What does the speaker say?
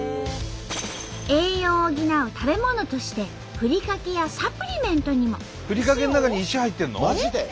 栄養を補う食べ物としてふりかけやサプリメントにも。